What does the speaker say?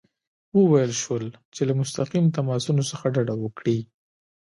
وویل شول چې له مستقیم تماسونو څخه ډډه وکړي.